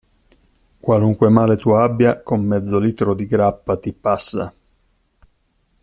Qualunque male tu abbia, con mezzo litro di grappa, ti passa.